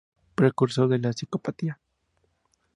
Es el precursor de la psicopatología.